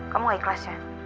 kamu gak ikhlas ya